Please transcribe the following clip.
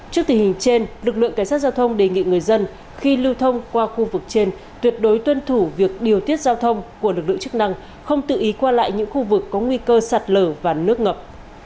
trước tình hình trên lực lượng cảnh sát giao thông đề nghị người dân khi lưu thông qua khu vực trên tuyệt đối tuân thủ việc điều tiết giao thông của lực lượng chức năng không tự ý qua lại những khu vực có nguy cơ sạt lở và nước ngập